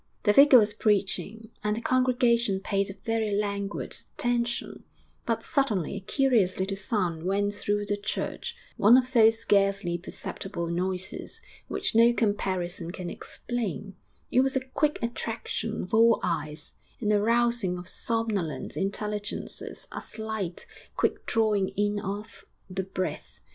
The vicar was preaching, and the congregation paid a very languid attention, but suddenly a curious little sound went through the church one of those scarcely perceptible noises which no comparison can explain; it was a quick attraction of all eyes, an arousing of somnolent intelligences, a slight, quick drawing in of the breath.